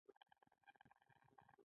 وایې ، میین ادم یو وخت ګناه کړي وه